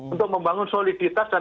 untuk membangun soliditas dan